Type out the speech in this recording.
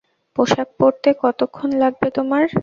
পোশাক পরতে কতোক্ষণ লাগবে তোমার?